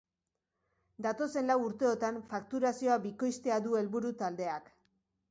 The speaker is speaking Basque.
Datozen lau urteotan fakturazioa bikoiztea du helburu taldeak.